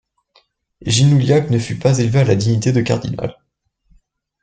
Ginoulhiac ne fut pas élevé à la dignité de cardinal.